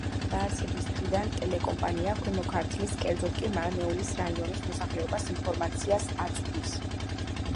დაარსების დღიდან, ტელეკომპანია, ქვემო ქართლის, კერძოდ კი მარნეულის რაიონის მოსახლეობას ინფორმაციას აწვდის.